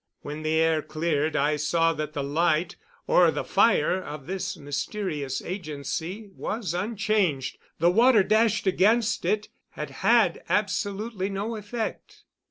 When the air cleared I saw that the light, or the fire of this mysterious agency, was unchanged. The water dashed against it had had absolutely no effect.